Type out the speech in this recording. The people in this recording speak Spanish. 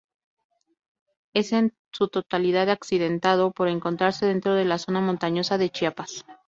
Es en su totalidad accidentado por encontrarse dentro de la zona montañosa de Chiapas.